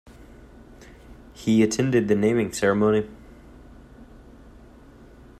He attended the naming ceremony.